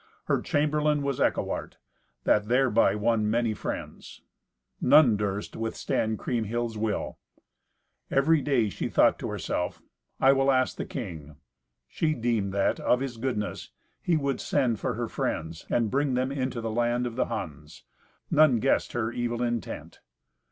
Her chamberlain was Eckewart, that thereby won many friends. None durst withstand Kriemhild's will. Every day she thought to herself, "I will ask the king." She deemed that, of his goodness, he would send for her friends and bring them into the land of the Huns. None guessed her evil intent.